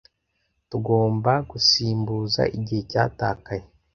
Tugomba gusimbuza igihe cyatakaye.